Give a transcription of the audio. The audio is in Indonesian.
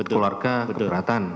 oh keluarga keberatan